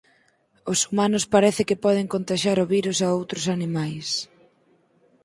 Os humanos parece que poden contaxiar o virus a outros animais.